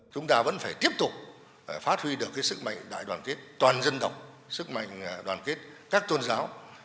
chúng ta vẫn phải tiếp tục phát huy được sức mạnh đại đoàn kết toàn dân tộc sức mạnh đoàn kết các tôn giáo